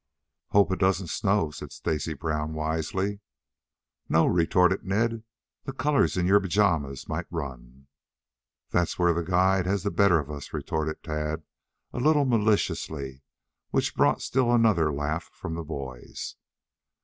"Hope it doesn't snow," said Stacy Brown wisely. "No," retorted Ned. "The colors in your pajamas might run." "That's where the guide has the better of us," retorted Tad a little maliciously, which brought still another laugh from the boys.